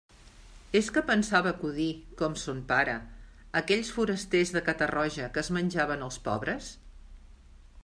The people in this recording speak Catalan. És que pensava acudir, com son pare, a aquells forasters de Catarroja que es menjaven els pobres?